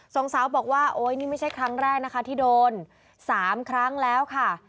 สองสาวบอกว่าโอ๊ยนี่ไม่ใช่ครั้งแรกนะคะที่โดน๓ครั้งแล้วค่ะ